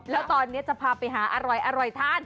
แล้วตอนนี้จะพาไปหาอร่อยทาน